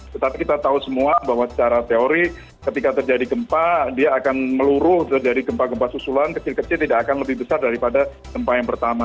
tetapi kita tahu semua bahwa secara teori ketika terjadi gempa dia akan meluruh terjadi gempa gempa susulan kecil kecil tidak akan lebih besar daripada gempa yang pertama